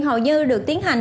hầu như được tiến hành